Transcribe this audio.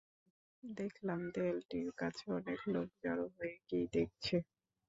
দেখলাম, দেয়ালটির কাছে অনেক লোক জড়ো হয়ে কী দেখছে।